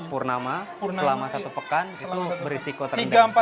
purnama selama satu pekan itu berisiko terendam